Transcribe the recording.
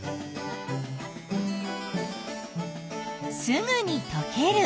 すぐにとける。